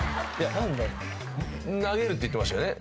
投げるって言ってましたよね。